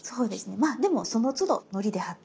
まあでもそのつどのりで貼って。